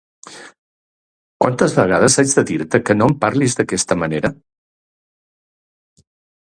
Quantes vegades haig de dir-te que no em parlis d'aquesta manera?